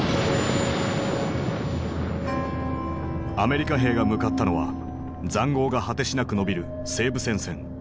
アメリカ兵が向かったのは塹壕が果てしなく延びる西部戦線。